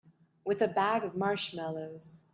With a bag of marshmallows.